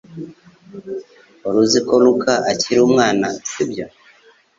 Wari uziko Luka akiri umwana sibyo